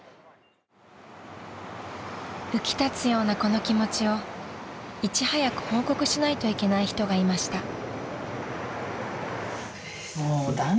［浮き立つようなこの気持ちをいち早く報告しないといけない人がいました］